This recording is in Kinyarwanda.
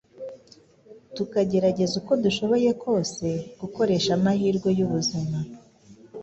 Tukagerageza uko dushoboye kose gukoresha amahirwe y’ubuzima